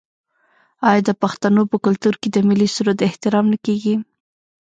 آیا د پښتنو په کلتور کې د ملي سرود احترام نه کیږي؟